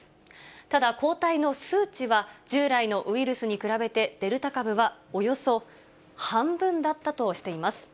ただ抗体の数値は、従来のウイルスに比べて、デルタ株は、およそ半分だったとしています。